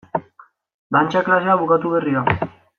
Dantza klasea bukatu berri da.